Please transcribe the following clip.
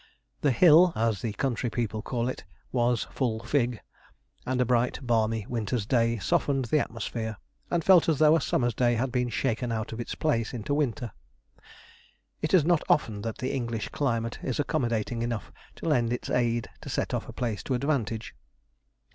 'The Hill,' as the country people call it, was 'full fig'; and a bright, balmy winter's day softened the atmosphere, and felt as though a summer's day had been shaken out of its place into winter. It is not often that the English climate is accommodating enough to lend its aid to set off a place to advantage.